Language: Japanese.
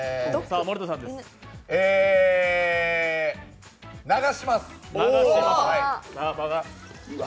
え、流します。